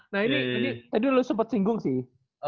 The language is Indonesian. nah ini tadi lu sempet singgung sih